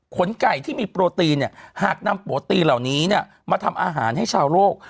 ไก่ที่มีโปรตีนหากนำโปรตีนเหล่านี้มาทำอาหารให้ชาวโลก